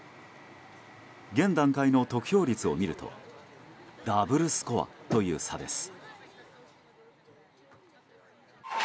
現段階の得票率を見るとダブルスコアという差です。